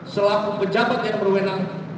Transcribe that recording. selaku pejabat yang berwenang